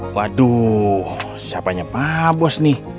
waduh siapanya maha bos nih